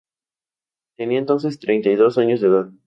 Tenía entonces treinta y dos años de edad.